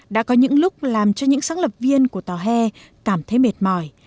đã có những lúc làm cho những sáng lập viên của tòa hè cảm thấy mệt mỏi